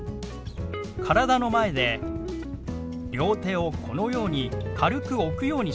体の前で両手をこのように軽く置くようにします。